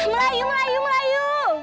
melayu melayu melayu